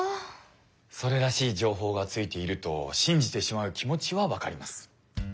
それらしい情報がついていると信じてしまう気持ちはわかります。